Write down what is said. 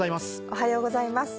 おはようございます。